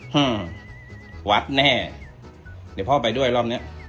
อืมวัดแน่เดี๋ยวพ่อไปด้วยรอบเนี้ย